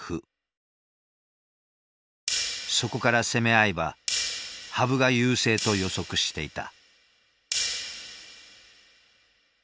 そこから攻め合えば羽生が優勢と予測していた。